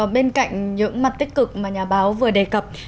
bên cạnh những mặt tích cực mà nhà báo vừa đề cập